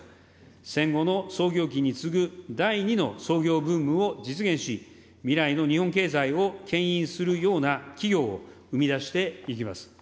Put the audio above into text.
戦後の創業期に次ぐ第２の創業ブームを実現し、未来の日本経済をけん引するような企業を生み出していきます。